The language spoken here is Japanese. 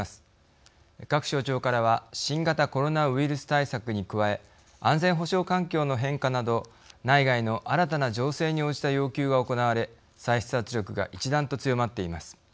各省庁からは新型コロナウイルス対策に加え安全保障環境の変化など内外の新たな情勢に応じた要求が行われ歳出圧力が一段と強まっています。